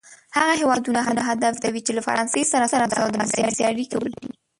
هغه هېوادونه هدف کرځوي چې له فرانسې سره سوداګریزې اړیکې ولري.